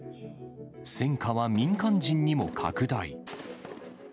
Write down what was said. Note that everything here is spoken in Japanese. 戦火は民間人にも拡大。